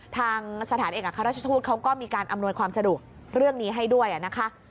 ทางสถานเอกอัครราชทูตเขาก็มีการอำนวยความสะดวกเรื่องนี้ให้ด้วยนะคะ